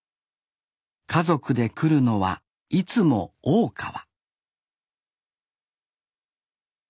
家族で来るのはいつも大川